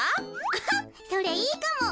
アハそれいいかも。